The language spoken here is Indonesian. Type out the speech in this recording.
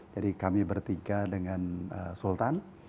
jadi kami bertiga dengan sultan